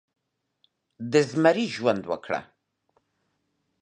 د زمري ژوند وکړه